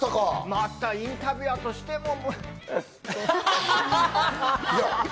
またインタビュアーとしても。